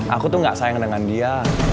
aku tuh gak sayang dengan dia